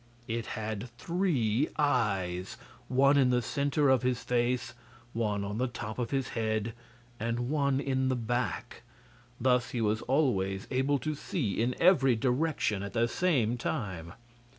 It had three eyes one in the center of his face, one on the top of his head and one in the back. Thus he was always able to see in every direction at the same time.